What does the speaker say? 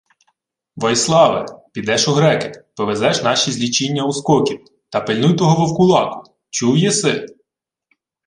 — Войславе, підеш у греки. Повезеш наші злічіння ускоків. Та пильнуй того вовкулаку. Чув єси?